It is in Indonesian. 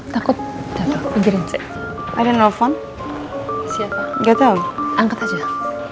takut ada nelfon siapa enggak tahu angkat aja